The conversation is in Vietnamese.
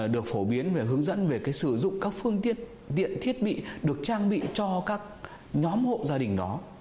được phổ biến và hướng dẫn về sử dụng các phương tiện thiết bị được trang bị cho các nhóm hộ gia đình đó